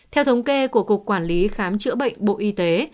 theo thống kê của cục quản lý khám chữa bệnh bộ y tế